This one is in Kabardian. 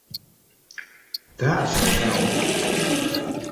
Даӏэ, сыгъэлъагъут!